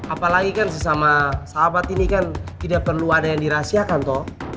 apalagi kan sesama sahabat ini kan tidak perlu ada yang dirahasiakan tuh